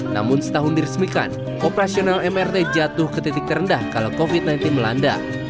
namun setahun diresmikan operasional mrt jatuh ke titik terendah kalau covid sembilan belas melanda